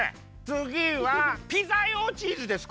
つぎはピザ用チーズです。